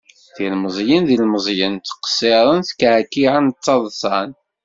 Tilmeẓyin d yilmeẓyen, tqesiren, tkeɛkiɛen taḍṣan.